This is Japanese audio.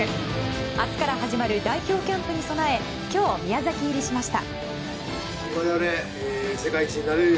明日から始まる代表キャンプに備え今日、宮崎入りしました。